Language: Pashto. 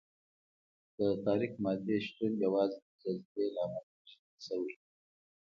د تاریک مادې شتون یوازې د جاذبې له امله پېژندل شوی.